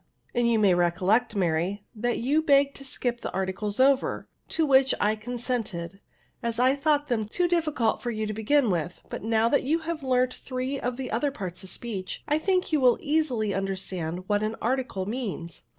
''And you may recollect, Mary, that you begged to skip the articles over, to which I consented, as I thought them too difficult for jLancLBs. 87 you to begin with; but now that you have learnt three of the other parts of speech, I think jou will easily understand what an ar ticle means.''